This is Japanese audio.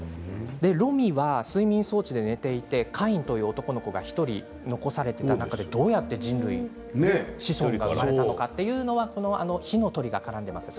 ロミは睡眠装置で寝ていてカインという男の子が１人残されている中でどうやって子孫が現れたのかというのは火の鳥が絡んでいるんです。